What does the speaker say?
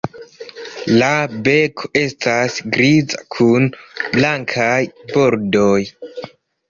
La beko estas griza kun blankaj bordoj.